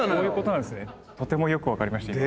とてもよく分かりました今。